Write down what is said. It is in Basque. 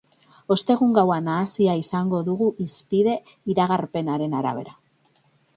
Ostegun gaua nahasia izango dugu hizpide, iragarpenaren arabera.